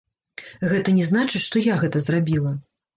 Гэта не значыць, што я гэта зрабіла.